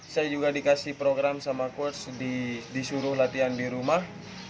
saya juga dikasih program sama coach disuruh latihan di rumah